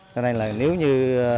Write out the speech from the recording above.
cho nên là nếu như